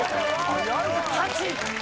８。